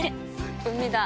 海だ。